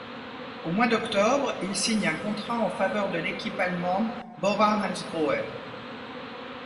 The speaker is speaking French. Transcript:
Au mois d'octobre, il signe un contrat en faveur de l'équipe allemande Bora-Hansgrohe.